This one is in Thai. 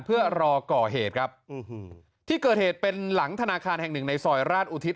เพื่อรอก่อเหตุครับที่เกิดเหตุเป็นหลังธนาคารแห่งหนึ่งในซอยราชอุทิศ